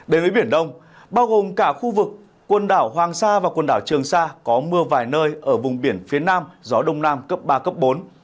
đến với biển đông bao gồm cả khu vực quần đảo hoàng sa và quần đảo trường sa có mưa vài nơi ở vùng biển phía nam gió đông nam cấp ba bốn